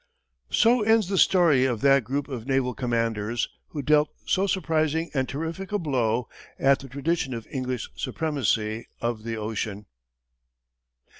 So ends the story of that group of naval commanders, who dealt so surprising and terrific a blow at the tradition of English supremacy on the ocean.